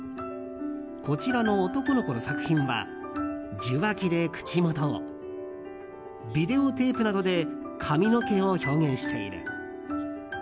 こちらの男の子の作品は受話器で口元をビデオテープなどで髪の毛を表現している。